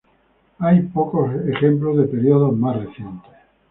Hay pocos ejemplos de períodos más recientes.